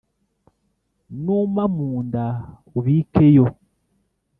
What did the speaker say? Numa mu nda ubikeyo